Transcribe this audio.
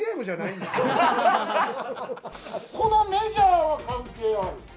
このメジャーは関係ある？